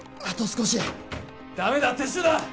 あと少しダメだ撤収だ！